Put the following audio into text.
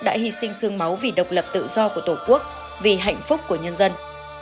đã hy sinh sương máu vì độc lập tự do của tổ quốc vì hạnh phúc của nhân dân